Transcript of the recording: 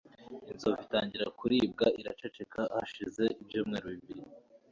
inzovu itangira kuribwa iraceceka ;hashize ibyumweru bibiri